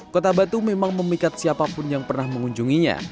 kota batu memang memikat siapapun yang pernah mengunjunginya